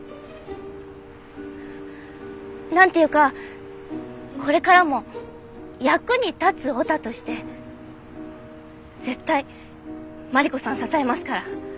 なんていうかこれからも役に立つヲタとして絶対マリコさん支えますから。